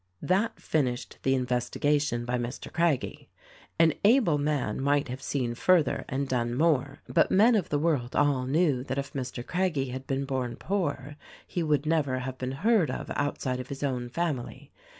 That finished the investigation by Mr. Craggie. An able man might have seen further and done more ; but men of the world all knew that if Mr. Craggie had been born poor he would never have been heard of outside of his own fam ily.